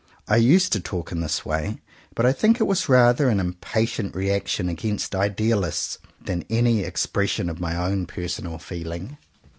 I used to talk in this way; but I think it was rather an impatient reaction against idealists than any expres sion of my own personal feeling.